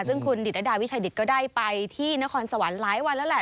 ซึ่งคุณดิตรดาวิชัยดิตก็ได้ไปที่นครสวรรค์หลายวันแล้วแหละ